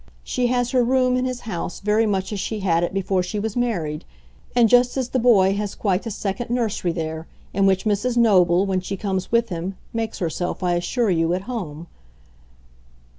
She has her room in his house very much as she had it before she was married and just as the boy has quite a second nursery there, in which Mrs. Noble, when she comes with him, makes herself, I assure you, at home.